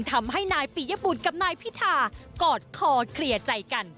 ทำให้นายปิยบุตรกับนายพิธากอดคอเคลียร์ใจกัน